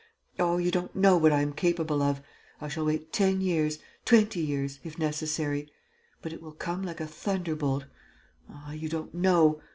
Oh, you don't know what I am capable of!... I shall wait ten years, twenty years, if necessary.... But it will come like a thunderbolt.... Ah, you don't know!...